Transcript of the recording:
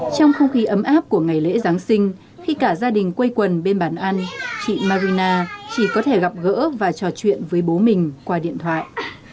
trong không khí ấm áp của ngày lễ giáng sinh khi cả gia đình quây quần bên bàn ăn chị marina chỉ có thể gặp gỡ và trò chuyện với bố mình qua điện thoại